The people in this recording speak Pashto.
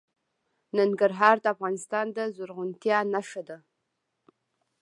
ننګرهار د افغانستان د زرغونتیا نښه ده.